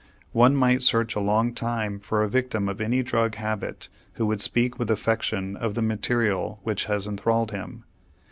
One might search a long time for a victim of any drug habit who would speak with affection of the material which has enthralled him.